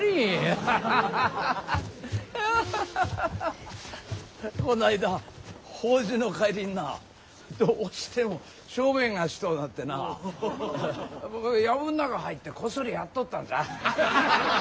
アハハハハこないだ法事の帰りになどうしても小便がしとうなってな薮ん中入ってこっそりやっとったんじゃ。